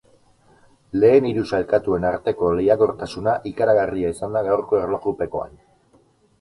Lehen hiru sailkatuen arteko lehiakortasuna ikaragarria izan da gaurko erlojupekoan.